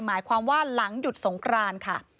หมายความว่าหลังหยุดสงครานค่ะ